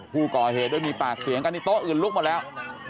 ผู้ก่อเหตุด้วยมีปากเสียงกันที่โต๊ะอื่นลุกหมดแล้ว